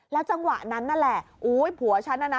แล้วจังหวะนั้นนั่นแหละโอ้ยผัวชั้นนั้นนะ